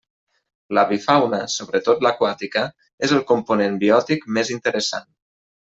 L'avifauna, sobretot l'aquàtica, és el component biòtic més interessant.